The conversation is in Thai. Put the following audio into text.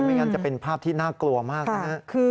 งั้นจะเป็นภาพที่น่ากลัวมากนะฮะ